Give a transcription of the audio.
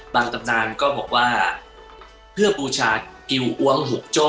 ตำนานก็บอกว่าเพื่อบูชากิวอ้วงหุกโจ้